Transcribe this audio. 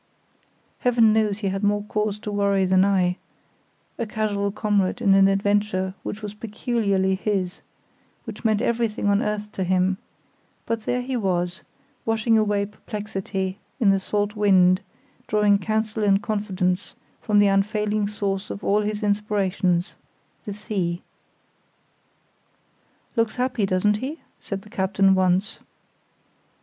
Heaven knows he had more cause for worry than I—a casual comrade in an adventure which was peculiarly his, which meant everything on earth to him; but there he was, washing away perplexity in the salt wind, drawing counsel and confidence from the unfailing source of all his inspirations—the sea. "Looks happy, doesn't he?" said the captain once.